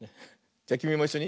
じゃきみもいっしょに。